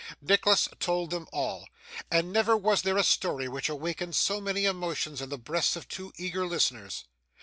Nicholas told them all, and never was there a story which awakened so many emotions in the breasts of two eager listeners.